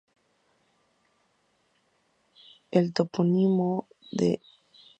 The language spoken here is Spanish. El topónimo de Malinalco se encuentra relacionado con el sacrificio ritual.